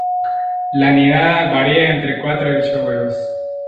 La nidada varía entre cuatro y ocho huevos.